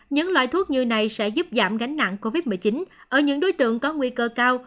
những loại thuốc như này sẽ giúp giảm gánh nặng covid một mươi chín ở những đối tượng có nguy cơ cao